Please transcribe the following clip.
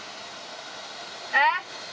えっ？